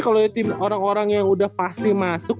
kalau orang orang yang udah pasti masuk